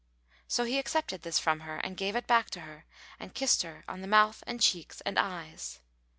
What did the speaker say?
So he accepted this from her and gave it back to her and kissed her on the mouth and cheeks and eyes.